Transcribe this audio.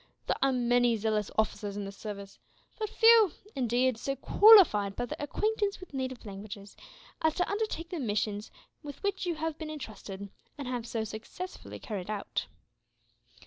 There are many zealous officers in the service; but few, indeed, so qualified, by their acquaintance with the native languages, as to undertake the missions with which you have been entrusted, and have so successfully carried out."